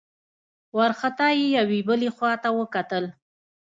وارخطا يې يوې بلې خواته وکتل.